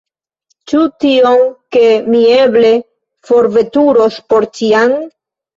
Ĉu tion, ke mi eble forveturos por ĉiam?